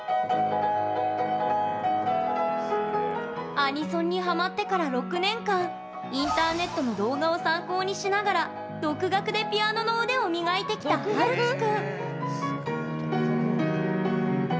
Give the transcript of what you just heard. アニソンにハマってから６年間インターネットの動画を参考にしながら独学でピアノの腕を磨いてきたはるき君。